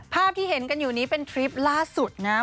ภาพที่เห็นกันอยู่นี้เป็นทริปล่าสุดนะครับ